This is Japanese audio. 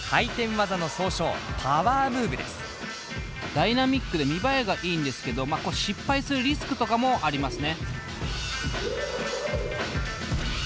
ダイナミックで見栄えがいいんですけど失敗するリスクとかもありますね。